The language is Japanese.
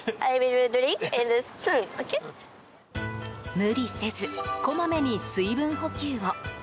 無理せずこまめに水分補給を。